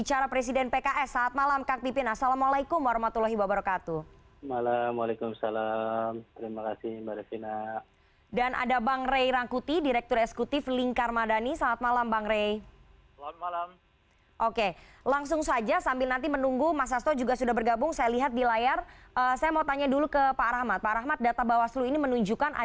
apa evaluasi bawaslu